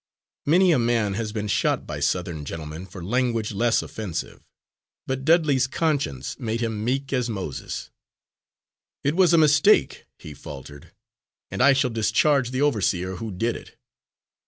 Many a man has been shot by Southern gentlemen for language less offensive; but Dudley's conscience made him meek as Moses. "It was a mistake," he faltered, "and I shall discharge the overseer who did it."